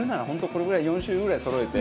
これぐらい４種類ぐらいそろえて。